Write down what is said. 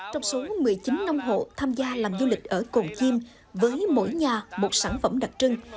trong số một mươi chín nông hộ tham gia làm du lịch ở cồn chim với mỗi nhà một sản phẩm đặc trưng